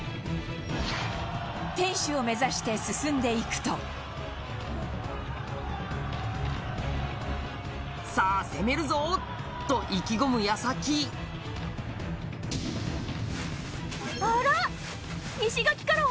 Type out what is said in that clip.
天守を目指して進んでいくとさあ、攻めるぞ！と意気込む矢先あら！